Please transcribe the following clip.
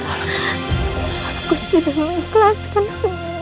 aku sudah mengikhlaskan semua